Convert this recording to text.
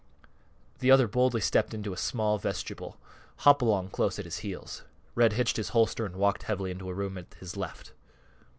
The other boldly stepped into a small vestibule, Hopalong close at his heels. Red hitched his holster and walked heavily into a room at his left.